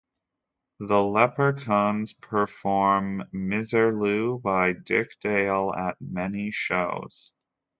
The LeperKhanz perform "Miserlou" by Dick Dale at many shows.